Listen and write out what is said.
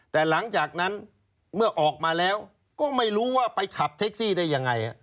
แต่หลังจากนั้นเมื่อออกมาแล้วก็ไม่รู้ว่าไปขับแท็กซี่ได้ยังไง